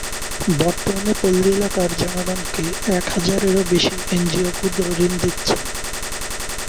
বর্তমানে পল্লী এলাকার জনগণকে এক হাজারেরও বেশি এনজিও ক্ষুদ্রঋণ দিচ্ছে।